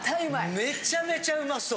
めちゃめちゃうまそう！